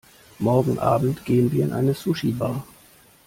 Morgenabend gehen wir in eine Sushibar.